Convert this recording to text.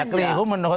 keliru menurut kamu